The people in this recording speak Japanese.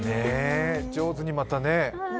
上手にまたね。